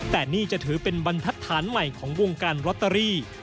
แต่นี่จะถือเป็นบรรทัศน์ใหม่ของวงการลอตเตอรี่